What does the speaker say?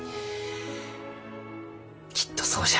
きっとそうじゃ。